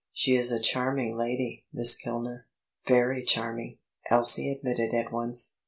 She is a charming lady, Miss Kilner." "Very charming," Elsie admitted at once.